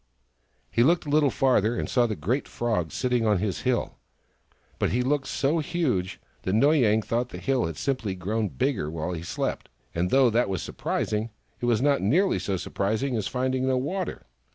He looked a little farther and saw the great Frog sitting on his hill. But he looked so huge that Noy Yang thought the hill had simply grown bigger while he slept ; and though that was surprising, it was not nearly so surprising as finding no water.